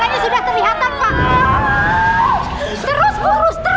kepalanya sudah terlihatan pak